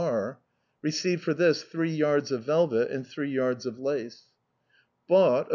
R . Received for this three yards of velvet, and three yards of lace, *' Bought of M.